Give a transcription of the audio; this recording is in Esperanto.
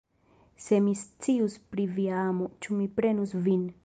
Se mi scius pri via amo, ĉu mi prenus vin!